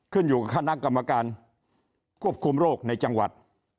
ขึ้นอยู่กับคณะกรรมการควบคุมโรคในจังหวัด